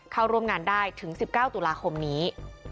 เข้าร่วมงานได้ถึง๑๙ตุลาคมนี้